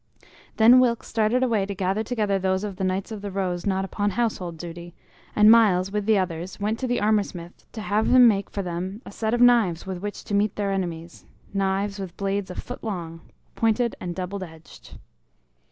Then Wilkes started away to gather together those of the Knights of the Rose not upon household duty, and Myles, with the others, went to the armor smith to have him make for them a set of knives with which to meet their enemies knives with blades a foot long, pointed and double edged.